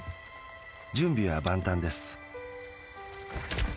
準備は万端です。